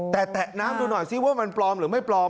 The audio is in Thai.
แต่แตะน้ำดูหน่อยซิว่ามันปลอมหรือไม่ปลอม